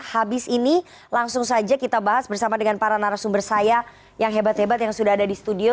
habis ini langsung saja kita bahas bersama dengan para narasumber saya yang hebat hebat yang sudah ada di studio